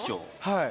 はい。